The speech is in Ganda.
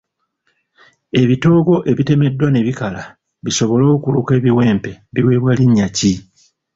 Ebitoogo ebitemeddwa ne bikala bisobole okuluka ebiwempe biweebwa linnya ki?